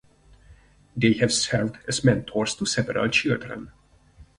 They have served as mentors to several children.